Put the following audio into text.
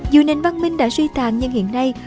dù nền văn minh đã suy tàn nhưng hiện nay